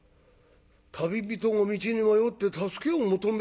旅人が道に迷って助けを求めていたのかな？